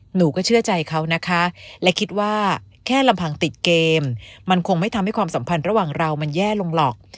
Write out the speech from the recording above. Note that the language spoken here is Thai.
หนูก็เชื่อใจเขานะคะและคิดว่าแค่ลำพังติดเกมมันคงไม่ทำให้ความสัมพันธ์ระหว่างเรามันแย่ลงหรอก